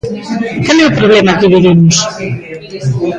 Cal é o problema que vivimos?